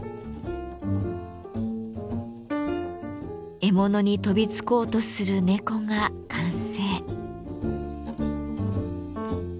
獲物に飛びつこうとする猫が完成。